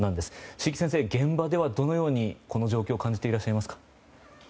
椎木先生、現場ではどのようにこの状況を感じていらっしゃいますか？